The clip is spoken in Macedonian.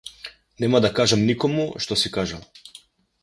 Нема да кажам никому што си кажал.